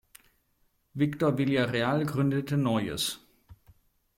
Victor Villarreal gründete Noyes.